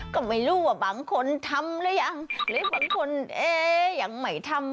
ก็ไม่รู้ว่าบางคนทำหรือยังหรือบางคนเอ๊ยังไม่ทำ